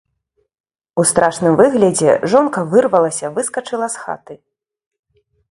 У страшным выглядзе жонка вырвалася, выскачыла з хаты.